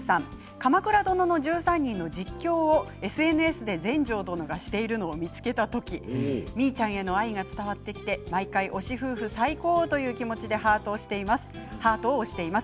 「鎌倉殿の１３人」の実況をＳＮＳで全成殿がしているのを見つけた時実衣ちゃんへの愛が伝わってきて毎回、推し夫婦最高という気持ちでハートを押しています。